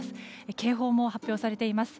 警報も発表されています。